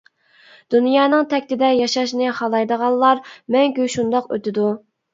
دۇنيانىڭ تەكتىدە ياشاشنى خالايدىغانلار مەڭگۈ شۇنداق ئۆتىدۇ.